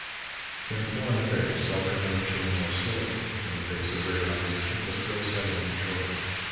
In foreign affairs self government came more slowly, in the face of greater opposition, but still steadily and surely.